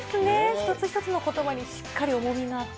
一つ一つのことばにしっかり重みがあって。